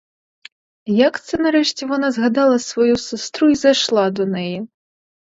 Як це нарешті вона згадала свою сестру й зайшла до неї?